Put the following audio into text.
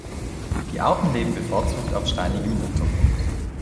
Die Arten leben bevorzugt auf steinigem Untergrund.